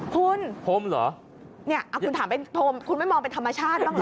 คุณคุณถามเป็นธรรมคุณไม่มองเป็นธรรมชาติบ้างเหรอ